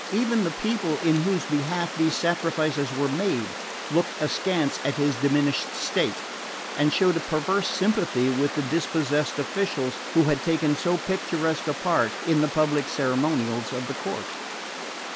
Even the people, in whose behalf these sacrifices were made, looked askance at his diminished state, and showed a perverse sympathy with the dispossessed officials who had taken so picturesque a part in the public ceremonials of the court.